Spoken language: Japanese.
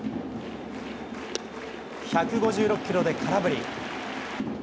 １５６キロで空振り。